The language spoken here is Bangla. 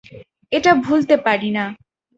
এটা ভুলতে পারি না।